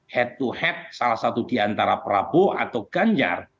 head to head salah satu diantara prabowo atau ganjar